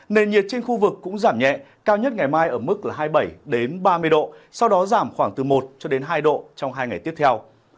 nền nhiệt trên khu vực cũng giảm nhẹ cao nhất ngày mai ở mức hai mươi bảy ba mươi độ sau đó giảm khoảng từ một cho đến hai độ trong hai ngày tiếp theo